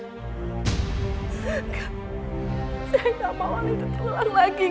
saya gak mau melihat jalan lagi